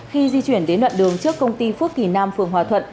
khi di chuyển đến đoạn đường trước công ty phước kỳ nam phường hòa thuận